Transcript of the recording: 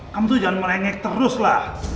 kamu tuh jangan melengek terus lah